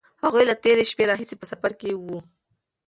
هغوی له تېرې شپې راهیسې په سفر کې وو.